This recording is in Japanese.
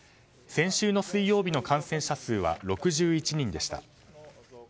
先週の水曜日の感染者数は６１人でした。